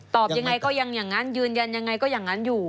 ยังไงก็ยังอย่างนั้นยืนยันยังไงก็อย่างนั้นอยู่